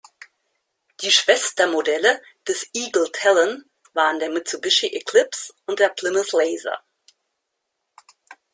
Die Schwestermodelle des Eagle Talon waren der Mitsubishi Eclipse und der Plymouth Laser.